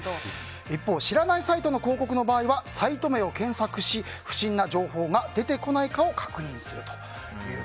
一方、知らないサイトの広告の場合はサイト名を検索し不審な情報が出てこないかを確認すると。